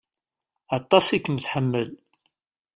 Aṭas i kem-tḥemmel.